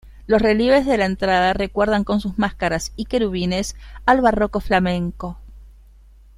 Los relieves de la entrada recuerdan con sus máscaras y querubines al barroco flamenco.